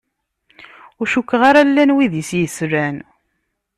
Ur cukkeɣ ara llan wid i s-yeslan.